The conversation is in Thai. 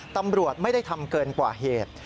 ตำรวจไม่ได้ทำเกินกว่าเหตุ